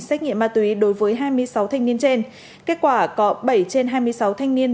xét nghiệm ma túy đối với hai mươi sáu thanh niên trên kết quả có bảy trên hai mươi sáu thanh niên